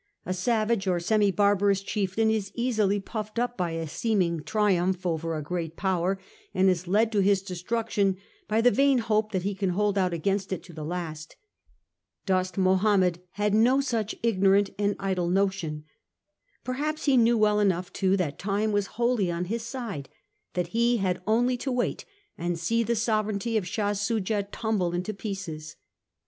A savage or semi barbarous chieftain is easily puffed up by a seeming triumph over a great Power, and is led to his destruction by the vain hope that he can hold out against it to the last. Dost Mahomed had no such ignorant and idle notion. Perhaps he knew well enough too that time was wholly on his side ; that he had only to wait and see the sovereignty of Shah Soojah tumble into pieces.